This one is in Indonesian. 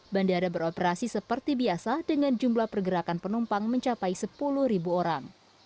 bandara beroperasi seperti biasa dengan jumlah pergerakan penumpang mencapai sepuluh orang